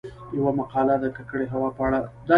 يومـقاله د کـکړې هـوا په اړه :